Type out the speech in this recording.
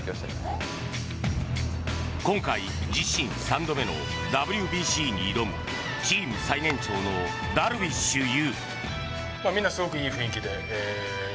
今回自身３度目のＷＢＣに挑むチーム最年長のダルビッシュ有。